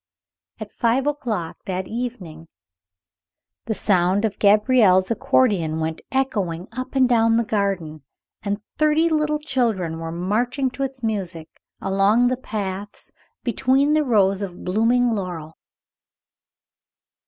At five o'clock that evening the sound of Gabriel's accordeon went echoing up and down the garden, and thirty little children were marching to its music along the paths, between the rows of blooming laurel.